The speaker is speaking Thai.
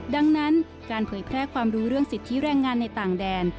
ดังนั้นการเผยแพร่ความรู้เรื่องสิทธิแรงงานในต่างแดน